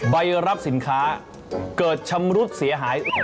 ใบรับสินค้าเกิดชำรุดเสียหาย